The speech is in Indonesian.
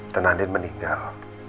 dan andin meninggal